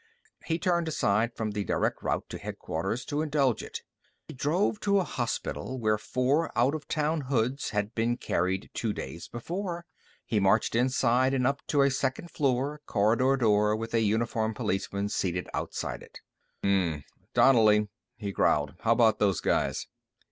He turned aside from the direct route to Headquarters to indulge it. He drove to a hospital where four out of town hoods had been carried two days before. He marched inside and up to a second floor corridor door with a uniformed policeman seated outside it. "Hm m m. Donnelly," he growled. "How about those guys?"